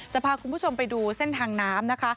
จะพาคุณผู้ชมไปดูเส้นทางน้ำนะคะ